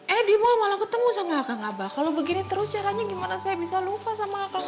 edi mau malah ketemu sama kakak bakal begini terus caranya gimana saya bisa lupa sama kakak